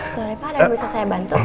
sorry pak ada yang bisa saya bantu